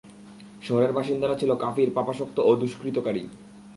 শহরের বাসিন্দারা ছিল কাফির, পাপাসক্ত ও দুষ্কৃতকারী।